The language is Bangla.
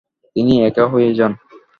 তিনি একা হয়ে যান।